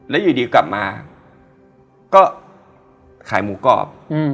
แล้วอยู่ดีกลับมาก็ขายหมูกรอบ